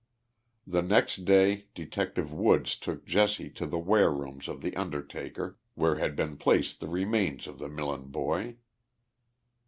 The next day Detective 'Woods took Jesse to the warerooms of the undertaker, where had been placed the remains of the Milieu boy.